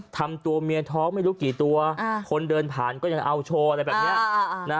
ทำตัวเมียท้องไม่รู้กี่ตัวคนเดินผ่านก็ยังเอาโชว์อะไรแบบนี้